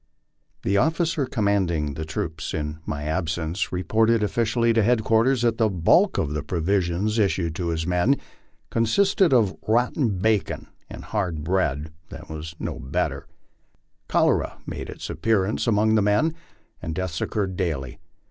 The officer commanding the troops in my absence reported officially to headquarters that the bulk of the provisions issue i tj bit men consisted of '* rotten bacon " and ' hard bread " that was " no etv^r M 60 MY LIFE ON THE PLAINS. Cholera made its appearance among the men, and deaths occurred daily.